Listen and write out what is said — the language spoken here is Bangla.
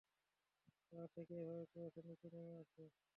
পাহাড় থেকে এভাবে কুয়াশা নিচে নেমে আসে?